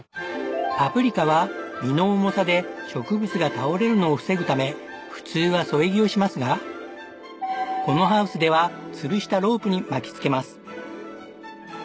パプリカは実の重さで植物が倒れるのを防ぐため普通は添え木をしますがこのハウスではつるしたロープに巻き付けます。